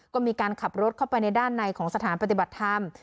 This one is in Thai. ก็มีการขับรถเข้าไปในด้านในของสถานปฏิบัติธรรม